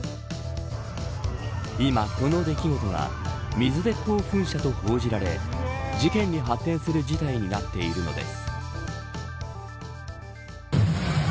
今、この出来事が水鉄砲噴射と報じられ事件に発展する事態になっているのです。